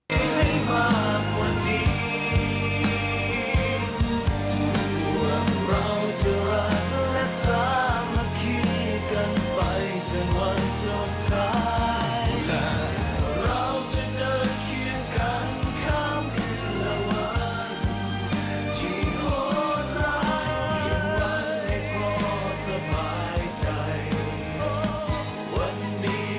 กันข้ามเหลือวันที่โหดร้ายอย่าวันให้พ่อสบายใจวันนี้